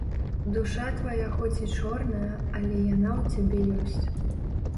Душа твая хоць і чорная, але яна ў цябе ёсць.